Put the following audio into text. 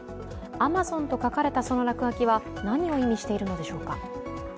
「ＡＭＡＺＯＮ」と書かれた落書きは何を意味しているのでしょうか。